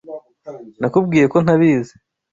Nakubwiye ko ntabizi.